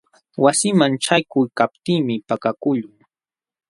Wasinman ćhaykuykaptiimi pakakuqlun.